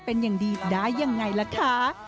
เป็นอย่างดีได้ยังไงล่ะคะ